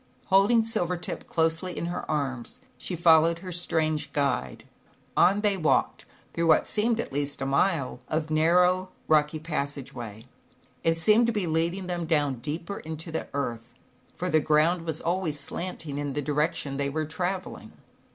Holding Silvertip closely in her arms, she followed her strange guide. On they walked through what seemed, at least, a mile of narrow, rocky passage way. It seemed to be leading them down deeper into the earth, for the ground was always slanting in the direc tion they were traveling.